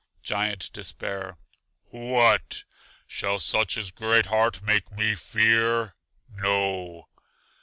Giant Despair: What, shall such as Great heart make me fear? No!